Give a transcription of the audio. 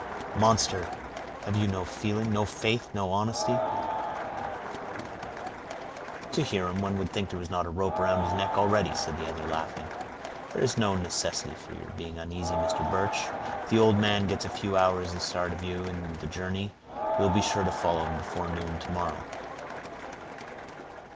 "Monster! have you no feeling, no faith, no honesty?" "To hear him, one would think there was not a rope around his neck already," said the other, laughing. "There is no necessity for your being uneasy, Mr. Birch; if the old man gets a few hours the start of you in the journey, you will be sure to follow him before noon to morrow."